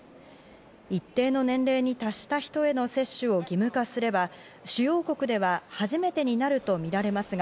一定の年齢に達した人への接種を義務化すれば主要国では初めてになるとみられますが、